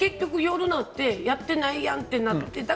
結局夜になってやってないやんってなって。